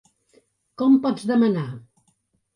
Com pots demanar...?